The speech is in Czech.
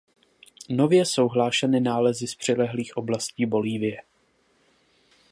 Nově jsou hlášeny nálezy z přilehlých oblastí Bolívie.